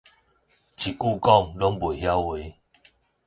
一句講都袂曉話